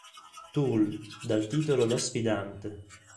Toole, dal titolo "Lo sfidante".